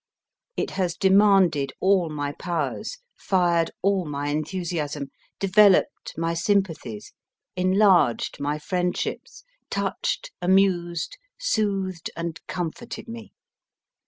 It has demanded all my powers, fired all my enthusiasm, developed my sympathies, enlarged my friend ships, touched, amused, soothed, and comforted me.